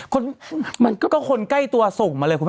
คนก็คนใกล้ตัวส่งมาเลย